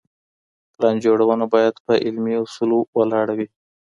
پلان جوړونه بايد په علمي اصولو ولاړه وي.